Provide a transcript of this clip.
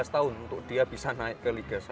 lima belas tahun untuk dia bisa naik ke liga satu